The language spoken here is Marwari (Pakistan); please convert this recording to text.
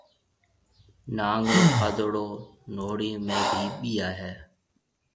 نانگ رو کادوڙو نوھڙِي ۾ ڀِي ٻيائيَ ھيََََ